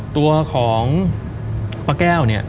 ตัวของป้าแก้วเนี่ย